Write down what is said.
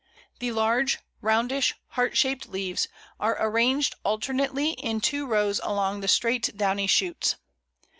The large, roundish, heart shaped leaves are arranged alternately in two rows along the straight downy shoots.